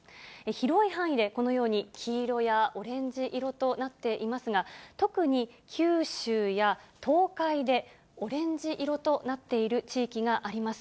広い範囲でこのように、黄色やオレンジ色となっていますが、特に九州や東海でオレンジ色となっている地域があります。